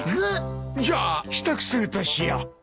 じゃあ支度するとしよう。